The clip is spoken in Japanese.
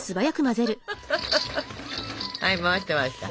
はい回して回して。